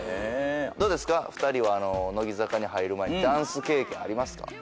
どうですか２人は乃木坂に入る前にダンス経験ありますか？